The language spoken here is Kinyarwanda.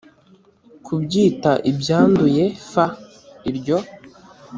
kubyita ibyanduye f iryo